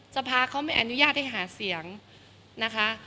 สภาเขาไม่อนุญาตให้หาเสียงนะคะ